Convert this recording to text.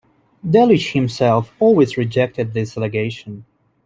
Delitzsch himself always rejected this allegation.